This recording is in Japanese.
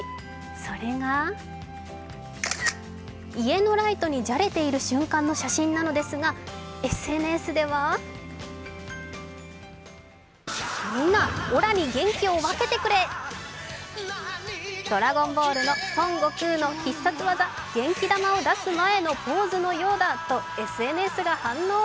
それが家のライトにじゃれている瞬間の写真なのですが、ＳＮＳでは「ドラゴンボール」の孫悟空の必殺技、元気玉を出す前のポーズのようだとＳＮＳが反応。